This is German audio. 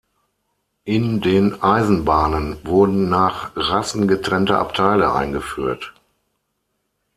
In den Eisenbahnen wurden nach Rassen getrennte Abteile eingeführt.